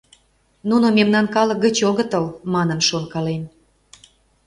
«Нуно мемнан калык гыч огытыл» манын шонкален.